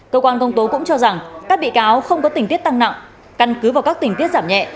cơ quan công tố cũng cho rằng các bị cáo không có tình tiết tăng nặng căn cứ vào các tình tiết giảm nhẹ